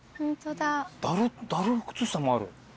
ダル靴下もある。